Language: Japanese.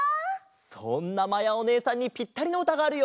そんなまやおねえさんにぴったりのうたがあるよ！